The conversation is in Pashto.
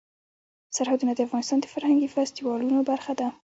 سرحدونه د افغانستان د فرهنګي فستیوالونو برخه ده.